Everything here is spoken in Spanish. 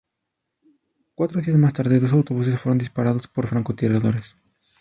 Cuatro días más tarde, dos autobuses fueron disparados por francotiradores.